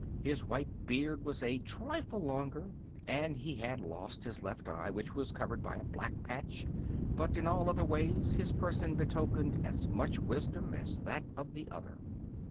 His white beard was a trifle longer and he had lost his left eye, which was covered by a black patch; but in all other ways his person betokened as much wisdom as that of the other.